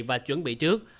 và chuẩn bị trước